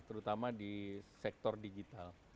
terutama di sektor digital